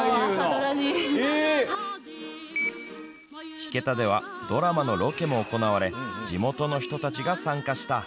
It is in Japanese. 引田ではドラマのロケも行われ地元の人たちが参加した。